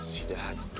si dah hantu